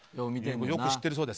よく知ってるそうです。